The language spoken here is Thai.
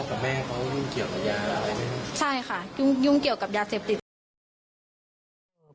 กับแม่เขายุ่งเกี่ยวกับยาอะไรไหมใช่ค่ะยุ่งเกี่ยวกับยาเสพติด